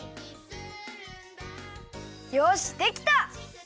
よしできた！